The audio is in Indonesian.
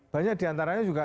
banyak diantaranya juga